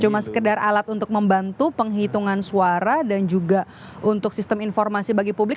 cuma sekedar alat untuk membantu penghitungan suara dan juga untuk sistem informasi bagi publik